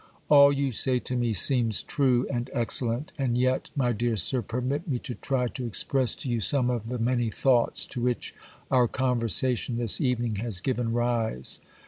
All you say to me seems true and excellent; and yet, my dear sir, permit me to try to express to you some of the many thoughts to which our conversation this evening has given rise.